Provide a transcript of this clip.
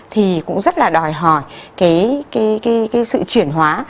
thì cũng rất là đòi hỏi cái sự chuyển hóa